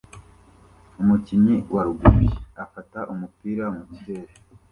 Umukinnyi wa rugby afata umupira mukirere